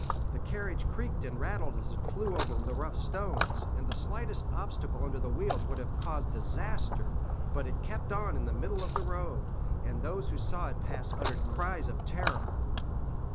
The carriage creaked and rattled as it flew over the rough stones, and the slightest obstacle under the wheels would have caused disaster; but it kept on in the middle of the road, and those who saw it pass uttered cries of terror.